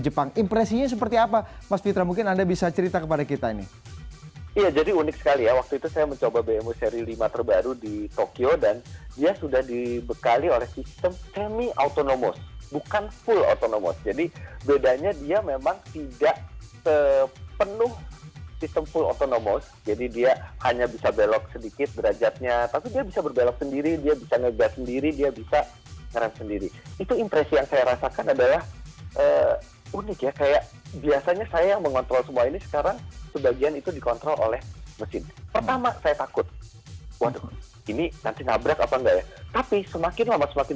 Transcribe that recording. tentunya semua pihak berusaha menghindari kemungkinan paling buruk dari cara menghidupkan mobil mobil otonom ini